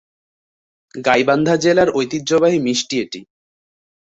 গাইবান্ধা জেলার ঐতিহ্যবাহী মিষ্টি এটি।